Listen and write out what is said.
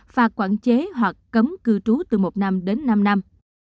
phạt quản chế hoặc cấm cư trú từ một năm đến năm năm